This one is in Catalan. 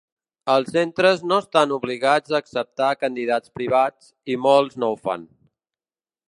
Els centres no estan obligats a acceptar candidats privats, i molts no ho fan.